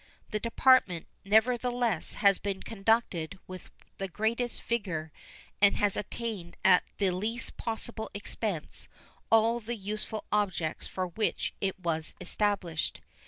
The Department, nevertheless, has been conducted with the greatest vigor, and has attained at the least possible expense all the useful objects for which it was established.